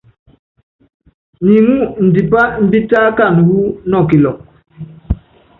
Nyiŋú indipá imbítákinan wu nɔkilɔk.